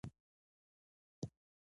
ثانوي ماخذونو ته دوهم لاس منابع ویلای سو.